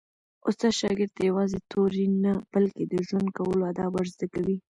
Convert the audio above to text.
استاد شاګرد ته یوازې توري نه، بلکي د ژوند کولو آداب ور زده کوي.